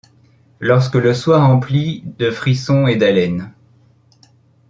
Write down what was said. Lorsque le soir emplit de frissons et d'haleines